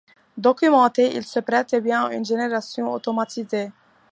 Documenté, il se prête bien à une génération automatisée.